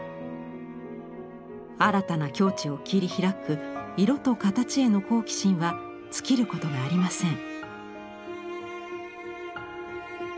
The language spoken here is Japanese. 新たな境地を切り開く色と形への好奇心は尽きることがありません。